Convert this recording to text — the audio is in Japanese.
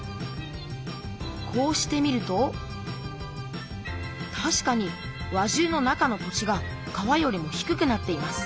こうして見るとたしかに輪中の中の土地が川よりも低くなっています。